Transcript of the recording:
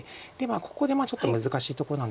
ここでちょっと難しいところなんですが。